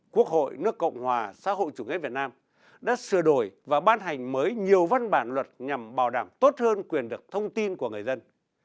quốc hội nước cộng hòa xã hội chủ nghĩa việt nam đã sửa đổi và ban hành mới nhiều văn bản luật nhằm bảo đảm tốt hơn quyền được thông tin của người dân